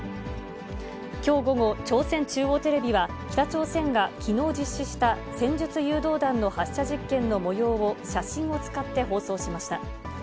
きょう午後、朝鮮中央テレビは、北朝鮮がきのう実施した戦術誘導弾の発射実験のもようを写真を使って放送しました。